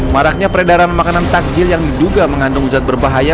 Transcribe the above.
maraknya peredaran makanan takjil yang diduga mengandung zat berbahaya